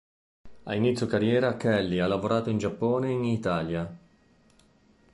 A inizio carriera Kelly ha lavorato in Giappone e in Italia.